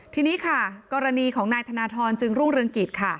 ทีนี้ค่ะกรณีของนายธนทรจึงรุ่งเรืองกิจค่ะ